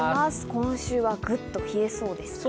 今週はぐっと冷えそうですか？